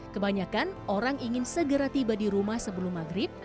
kebanyakan orang ingin segera tiba di rumah sebelum maghrib